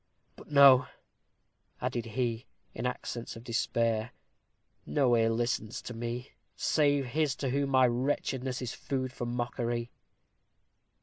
But no," added he, in accents of despair, "no ear listens to me, save his to whom my wretchedness is food for mockery."